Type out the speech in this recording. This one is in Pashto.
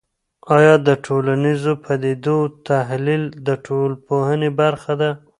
آیا د ټولنیزو پدیدو تحلیل د ټولنپوهنې برخه ده؟